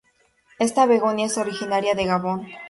Esta "begonia" es originaria de Gabón.